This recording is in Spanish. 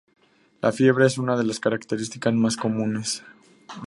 La fiebre es una de las características más comunes.